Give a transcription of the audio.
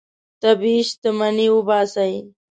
طبیعي شتمني وباسئ.